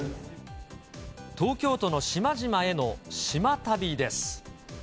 東京都の島々への島旅です。